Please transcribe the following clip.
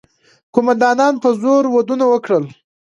قوماندانانو په زور ودونه وکړل.